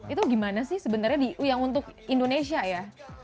itu gimana sih sebenarnya yang untuk indonesia ya